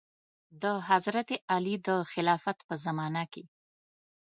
د حضرت علي د خلافت په زمانه کې.